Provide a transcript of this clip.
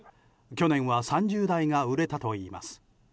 去年は３０台が売れたといいます。